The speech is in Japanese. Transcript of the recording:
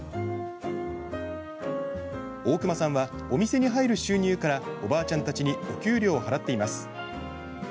大熊さんはお店に入る収入からおばあちゃんたちにお給料を払っています。